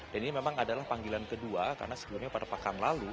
ini memang adalah panggilan kedua karena sebelumnya pada pekan lalu